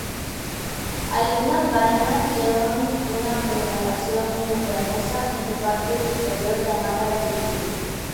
Algunas vainas llevan una prolongación membranosa en su parte superior llamada lígula.